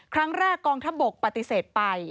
ครั้งแรกกองทัพบกปฏิเสธไป